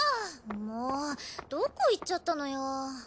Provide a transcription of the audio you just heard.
もうどこ行っちゃったのよ。